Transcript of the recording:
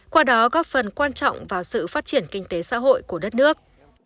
qua đó góp phần quan trọng vào sự phát triển kinh tế xã hội của đất nước